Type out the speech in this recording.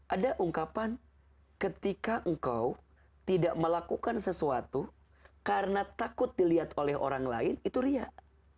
ada ungkapan ketika engkau tidak melakukan sesuatu karena takut dilihat oleh orang lain itu riak